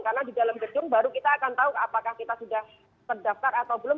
karena di dalam gedung baru kita akan tahu apakah kita sudah terdaftar atau belum